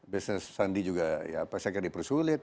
bisnis sandi juga saya kira dipersulit